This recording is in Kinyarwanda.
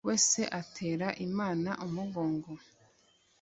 we wese atera Imana umugongo